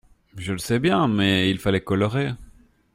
Je le sais bien ! mais il fallait colorer.